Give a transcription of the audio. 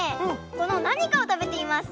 このなにかをたべています。